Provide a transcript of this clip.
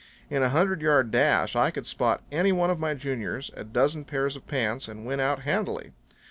In a hundred yard dash I could spot anyone of my juniors a dozen pairs of pants and win out handily.